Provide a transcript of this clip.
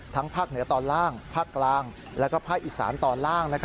ภาคเหนือตอนล่างภาคกลางและภาคอีสานตอนล่าง